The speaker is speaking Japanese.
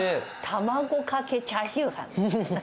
卵かけチャーシュー飯。